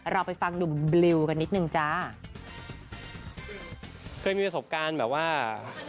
เราไปฟังหนุ่มบริวกันนิดนึงจ้า